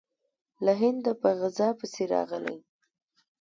له هنده په غزا پسې راغلی.